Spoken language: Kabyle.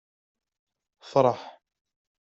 Fṛeḥ!